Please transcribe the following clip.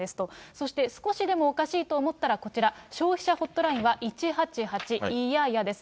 そして少しでもおかしいと思ったら、こちら、消費者ホットラインは１８８、いややです。